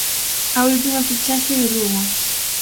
A última fichaxe do Lugo.